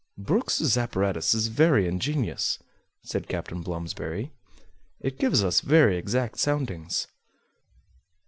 "Brook's apparatus is very ingenious," said Captain Blomsberry; "it gives us very exact soundings."